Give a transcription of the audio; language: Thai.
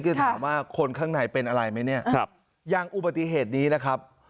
คือถามว่าคนข้างในเป็นอะไรไหมเนี่ยอย่างอุบัติเหตุนี้นะครับ